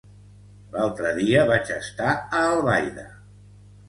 L'altre dia vaig estar a Albaida.